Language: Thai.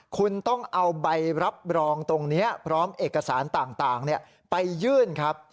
คุณต้องเอาใบรับรองตรงนี้พร้อมเอกสารต่างไปยื่นครับ